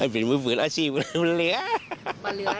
เป็นมือปืนอาชีพเหลือมันเหลือนะฮะฮ่าอ่า